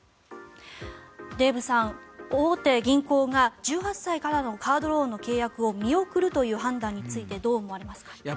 デーブさん、大手銀行が１８歳からのカードローンの契約を見送るという判断についてどう思われますか。